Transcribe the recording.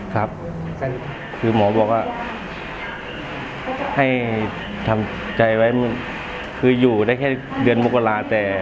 ครับคือหมอบอกว่าให้ทำใจไว้คืออยู่ได้แค่เดือนมกราแต่